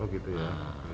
oh gitu ya